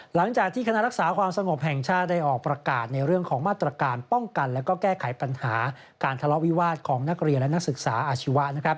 หลังจากที่คณะรักษาความสงบแห่งชาติได้ออกประกาศในเรื่องของมาตรการป้องกันและแก้ไขปัญหาการทะเลาะวิวาสของนักเรียนและนักศึกษาอาชีวะ